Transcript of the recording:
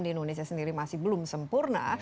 di indonesia sendiri masih belum sempurna